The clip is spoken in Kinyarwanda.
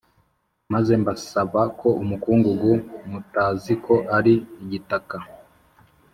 Maze mbasaba ko umukungugu mutaziko ari igitaka